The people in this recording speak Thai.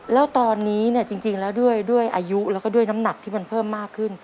แล้วตอนนี้เนี่ยจริงแล้วด้วยอายุแล้วก็ด้วยน้ำหนักที่มันเพิ่มมากขึ้น